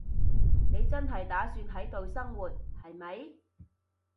你真係打算喺度生活，係咪？